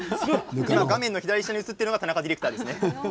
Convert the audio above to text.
画面の左下に写ってるのが田中ディレクターですよ。